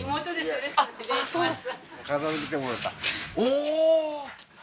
よろしくお願いします